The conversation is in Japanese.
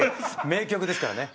名曲ですからね。